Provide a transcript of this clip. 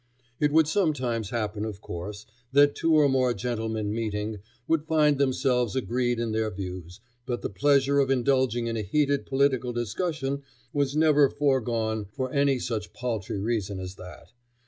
It would sometimes happen, of course, that two or more gentlemen meeting would find themselves agreed in their views, but the pleasure of indulging in a heated political discussion was never foregone for any such paltry reason as that.